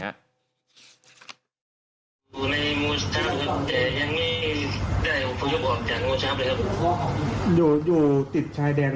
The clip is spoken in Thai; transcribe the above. อยู่ในบ้านภังในจ้างอ๋ออยู่ในบ้านภังในจ้าง